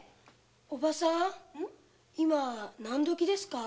おばさん今なん刻ですか？